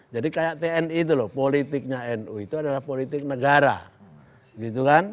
jadi kayak tni itu loh politiknya nu itu adalah politik negara gitu kan